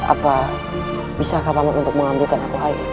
apa bisakah pak man untuk mengambilkan aku air